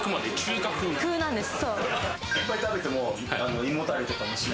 「風」なんです。